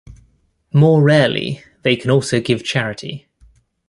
More rarely, they can also give charity.